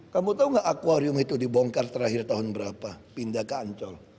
kamu tahu nggak akwarium itu dibongkar terakhir tahun berapa pindah ke ancol